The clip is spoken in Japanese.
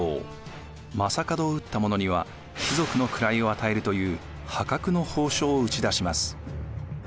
将門を討った者には貴族の位を与えるという破格の褒章を打ち出します。